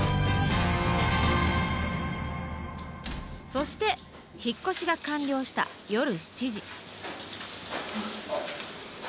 そして引っ越しが完了した夜７時。